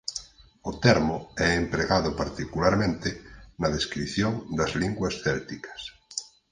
O termo é empregado particularmente na descrición das linguas célticas.